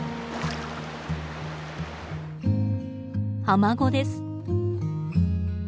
アマゴです。